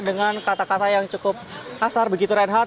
dengan kata kata yang cukup kasar begitu reinhard